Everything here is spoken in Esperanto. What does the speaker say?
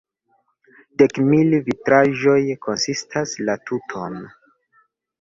Dek mil vitraĵoj konsistas la tuton.